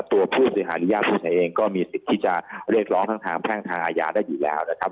ตัวผู้สินหาริยะผู้ใส่เองก็มีสิทธิ์ที่จะเรียกร้องทั้งทางแพร่งทางอาญาได้อยู่แล้วนะครับ